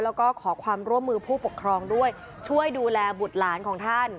แล้วก็ขอความร่วมมือผู้ปกครองด้วยช่วยดูแลบุตรหลานของท่าน